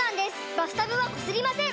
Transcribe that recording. バスタブはこすりません！